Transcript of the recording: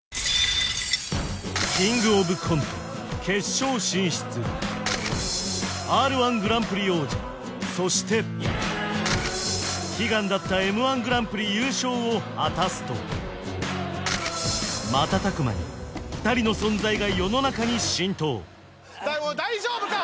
キングオブコント決勝進出そして悲願だったＭ−１グランプリ優勝を果たすと瞬く間に２人の存在が世の中に浸透大丈夫か？